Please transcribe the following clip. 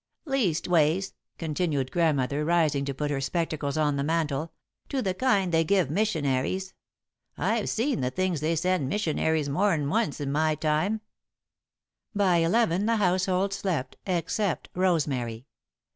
"Leastways," continued Grandmother, rising to put her spectacles on the mantel, "to the kind they give missionaries. I've seen the things they send missionaries more'n once, in my time." [Sidenote: More than One Way] By eleven, the household slept, except Rosemary.